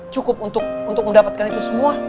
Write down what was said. cukup untuk mendapatkan itu semua